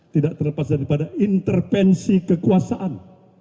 tidak terlepas daripada intervensi kekuasaan